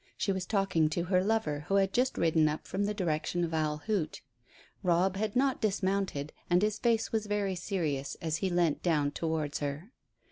She was talking to her lover, who had just ridden up from the direction of Owl Hoot. Robb had not dismounted, and his face was very serious as he leant down towards her.